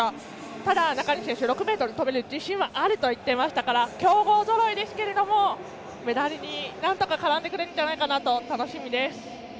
ただ、中西選手６ｍを跳べる自信があると言っていましたから強豪ぞろいですけどメダルになんとか絡んでくれるんじゃないかと楽しみです。